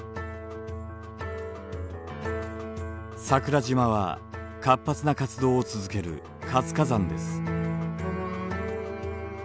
桜島は活発な活動を続ける活火山です。